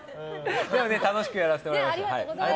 でも楽しくやらせてもらいました。